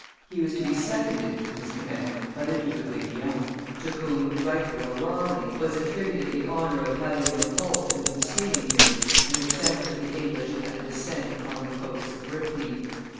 He was to be seconded in his command by the Duke of Aiguillon, to whom, rightly or wrongly, was attributed the honor of having repulsed in the preceding year an attempt of the English at a descent upon the coasts of Brittany.